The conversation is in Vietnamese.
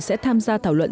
sẽ tham gia thảo luận